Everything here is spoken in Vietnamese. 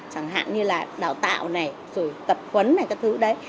chẳng hạn như là đào tạo tập quấn các thứ đấy